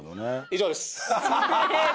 以上です